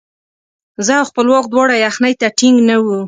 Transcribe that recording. زه او خپلواک دواړه یخنۍ ته ټینګ نه وو.